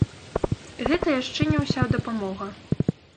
І гэта яшчэ не ўся дапамога.